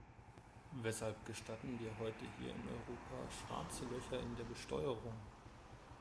Weshalb gestatten wir heute hier in Europa schwarze Löcher in der Besteuerung?